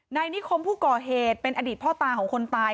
นายนิคมผู้ก่อเหตุเป็นอดีตพ่อตาของคนตาย